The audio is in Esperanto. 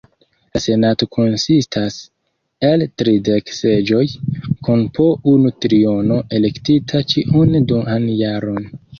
La Senato konsistas el tridek seĝoj, kun po unu triono elektita ĉiun duan jaron.